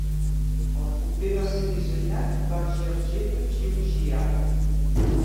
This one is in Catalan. El cupè va ser dissenyat per Giorgetto Giugiaro.